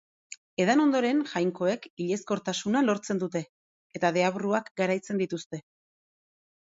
Edan ondoren, jainkoek hilezkortasuna lortzen dute, eta deabruak garaitzen dituzte.